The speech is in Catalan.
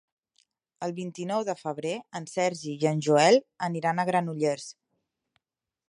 El vint-i-nou de febrer en Sergi i en Joel aniran a Granollers.